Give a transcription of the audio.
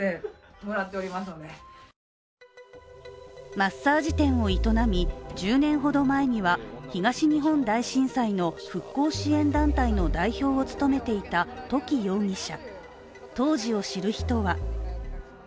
マッサージ店を営み、１０年ほど前には東日本大震災の復興支援団体の代表を務めていた土岐容疑者。